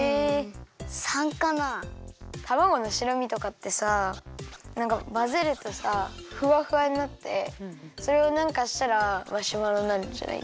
たまごの白身とかってさなんかまぜるとさフワフワになってそれをなんかしたらマシュマロになるんじゃない？